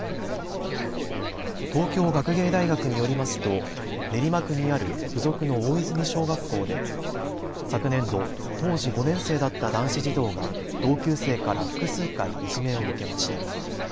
東京学芸大学によりますと練馬区にある付属の大泉小学校で昨年度、当時５年生だった男子児童が同級生から複数回いじめを受けました。